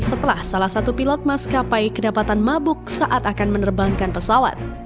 setelah salah satu pilot maskapai kedapatan mabuk saat akan menerbangkan pesawat